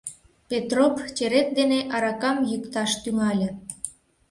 Петроп черет дене аракам йӱкташ тӱҥале.